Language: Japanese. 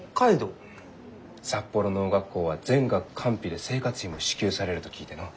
札幌農学校は全額官費で生活費も支給されると聞いてのう。